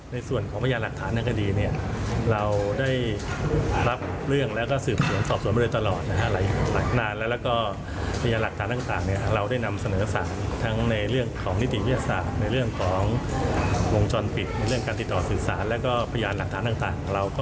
ให้สารเห็นว่ามีการกระทำผิดกิ่งทางที่เราเก่าหา